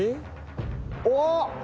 「おっ！」